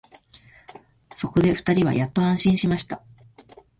そこで二人はやっと安心しました